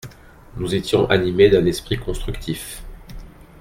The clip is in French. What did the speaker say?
Nous étions animés d’un état d’esprit constructif.